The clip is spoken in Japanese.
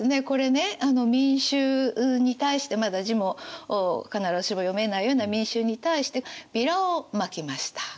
これね民衆に対してまだ字も必ずしも読めないような民衆に対してビラをまきました。